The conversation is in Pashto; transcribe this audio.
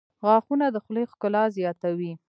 • غاښونه د خولې ښکلا زیاتوي.